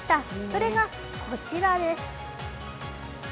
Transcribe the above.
それが、こちらです。